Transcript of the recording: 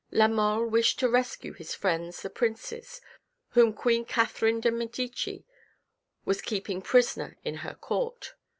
La Mole wished to rescue his friends the princes, whom Queen Catherine of Medici was keeping prisoner in her Court.